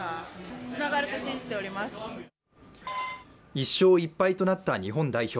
１勝１敗となった日本代表。